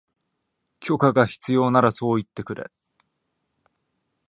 許可が必要ならそう言ってくれ